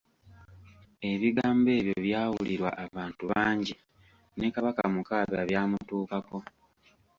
Ebigambo ebyo byawulirwa abantu bangi, ne Kabaka Mukaabya byamutuukako.